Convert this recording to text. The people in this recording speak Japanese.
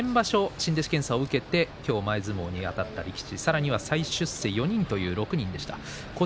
新弟子検査を受けて前相撲にあたった力士さらに再出世という６人でした。